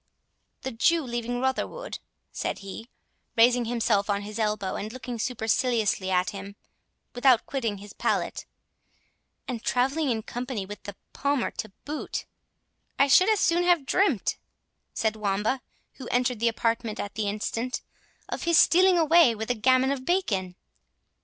"The Jew leaving Rotherwood," said he, raising himself on his elbow, and looking superciliously at him without quitting his pallet, "and travelling in company with the Palmer to boot—" "I should as soon have dreamt," said Wamba, who entered the apartment at the instant, "of his stealing away with a gammon of bacon."